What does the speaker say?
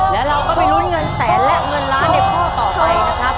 แล้วเราก็ไปลุ้นเงินแสนและเงินล้านในข้อต่อไปนะครับ